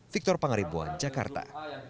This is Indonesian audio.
victor pangaripuan jakarta